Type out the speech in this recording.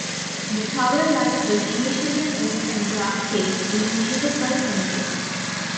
The tower light was initially an oak and glass cage, illuminated by candles.